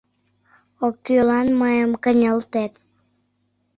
Оккӱллан мыйым кынелтет...